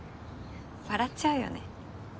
笑っちゃうよね。